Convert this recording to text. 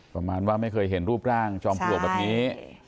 ประมาณว่าไม่เคยเห็นรูปร่างจอมปลวกแบบนี้